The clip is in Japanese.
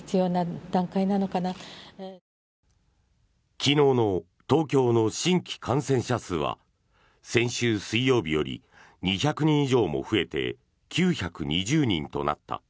昨日の東京の新規感染者数は先週水曜日より２００人以上も増えて９２０人となった。